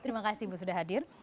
terima kasih ibu sudah hadir